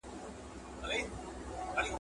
پښتو ژبي ته د زړه له کومي خدمت وکړه.